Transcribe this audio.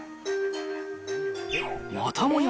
またもや